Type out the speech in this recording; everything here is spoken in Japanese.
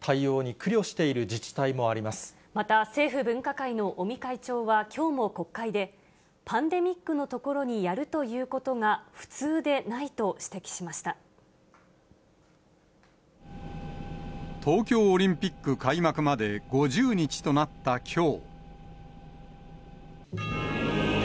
また政府分科会の尾身会長は、きょうも国会で、パンデミックのところにやるということが普通でないと指摘しまし東京オリンピック開幕まで５０日となったきょう。